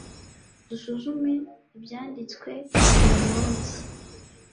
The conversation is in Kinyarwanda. Dusuzume Ibyanditswe buri munsi